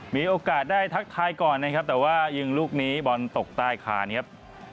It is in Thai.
มีโอกาสได้ทักทายก่อนนะครับแต่ว่ายิงลูกนี้บอลตกใต้คานครับ